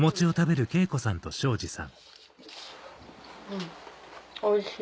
うんおいしい。